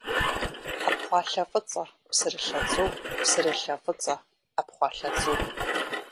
Ӏэпхъуалъэ фӏыцӏэ, псырылъэ цӏу, псырылъэ фӏыцӏэ, ӏэпхъуалъэ цӏу.